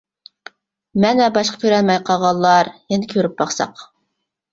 مەن ۋە باشقا كۆرەلمەي قالغانلار يەنە كۆرۈپ باقساق.